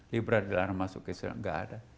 liberal dilarang masuk gak ada